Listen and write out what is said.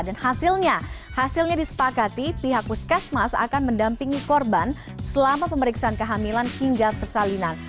dan hasilnya hasilnya disepakati pihak puskesmas akan mendampingi korban selama pemeriksaan kehamilan hingga persalinan